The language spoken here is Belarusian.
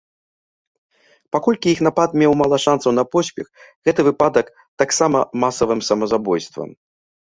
Паколькі іх напад меў мала шанцаў на поспех, гэты выпадак таксама масавым самазабойствам.